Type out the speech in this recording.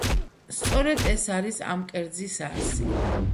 სწორედ ეს არის ამ კერძის არსი.